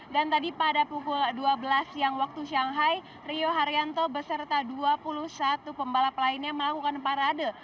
dan tadi pada pukul dua belas yang waktu shanghai rio haryanto beserta dua puluh satu pembalap lainnya melakukan parade